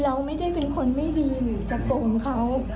เราไม่ได้เป็นคนไม่ดีหรือตะโกนเขา